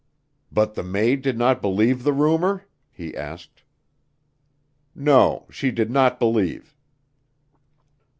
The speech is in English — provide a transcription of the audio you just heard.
"But the maid did not believe the rumor?" he asked. "No she did not believe."